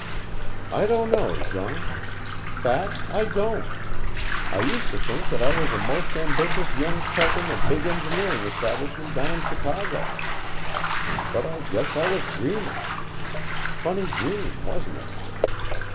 "I don't know, Jean. Fact, I don't. I used to think that I was a most ambitious young cub in a big engineering establishment down in Chicago. But I guess I was dreaming. Funny dream, wasn't it?